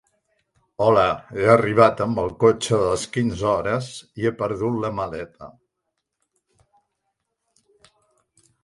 Hola, he arribat amb el cotxe de les quinze hores i he perdut la maleta.